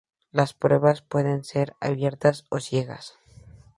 Las pruebas pueden ser "abiertas o" "ciegas.